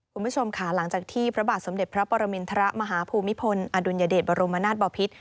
คุณผู้ชมค่ะหลังจากที่พระบาทสมเด็จพระปรมินทรมาฮภูมิพลอดุลยเดชบรมนาศบอพิษ